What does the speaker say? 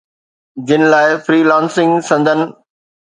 جن لاءِ freelancing سندن